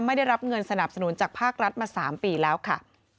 ไม่ได้รับเงินสนับสนุนจากภาครัฐมา๓ปีแล้วค่ะ